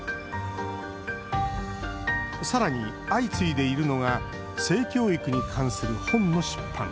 さらに、相次いでいるのが性教育に関する本の出版。